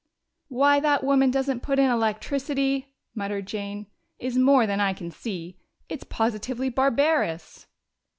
"Why that woman doesn't put in electricity," muttered Jane, "is more than I can see. It's positively barbarous!"